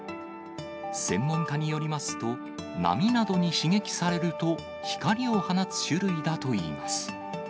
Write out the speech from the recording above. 専門家によりますと、波などに刺激されると、光を放つ種類だといいます。